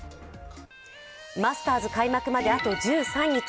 マスターズ開幕まであと１３日。